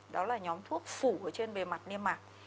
đó là nhóm thuốc phủ ở trên bề mặt niêm mạc